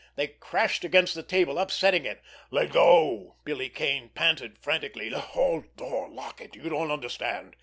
They crashed against the table, upsetting it. "Let go!" Billy Kane panted frantically. "The hall door—lock it! You don't understand!"